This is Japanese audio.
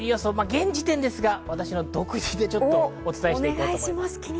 現時点、私の独自でお伝えしていこうと思います。